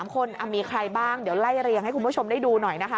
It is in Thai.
๓คนมีใครบ้างเดี๋ยวไล่เรียงให้คุณผู้ชมได้ดูหน่อยนะคะ